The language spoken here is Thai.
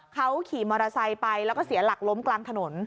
เขาขี่มอเตอร์ไซค์ไปแล้วก็เสียหลักล้มกลางถนน